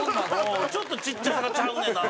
ちょっとちっちゃさがちゃうねんな。